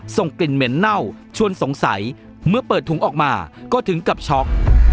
ส่งกลิ่นเหม็นเน่าชวนสงสัยเมื่อเปิดถุงออกมาก็ถึงกับช็อก